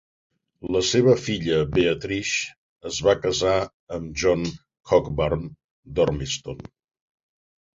La seva filla Beatrix es va casar amb John Cockburn d'Ormiston.